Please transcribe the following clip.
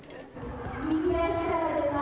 右足から出ますよ。